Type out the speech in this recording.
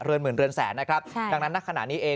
หมื่นเรือนแสนนะครับดังนั้นณขณะนี้เอง